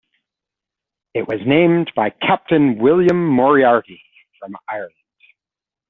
It was named by Captain William Moriarty, from Ireland.